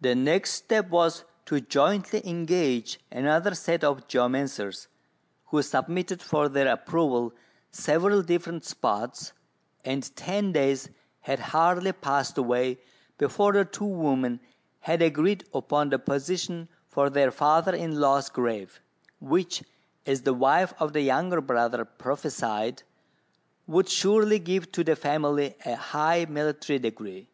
The next step was to jointly engage another set of geomancers, who submitted for their approval several different spots, and ten days had hardly passed away before the two women had agreed upon the position for their father in law's grave, which, as the wife of the younger brother prophesied, would surely give to the family a high military degree.